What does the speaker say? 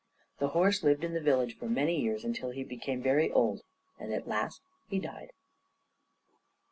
The horse lived in the village for many years, until he became very old. And at last he died.